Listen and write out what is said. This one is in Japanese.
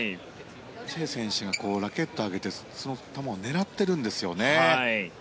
チェ選手がラケットを上げてその球を狙ってるんですよね。